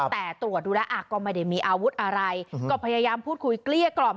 แต่ตรวจดูแล้วก็ไม่ได้มีอาวุธอะไรก็พยายามพูดคุยเกลี้ยกล่อม